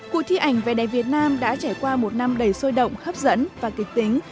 cuộc thi ảnh vnf việt nam đã trải qua một năm đầy sôi động hấp dẫn và kịch tính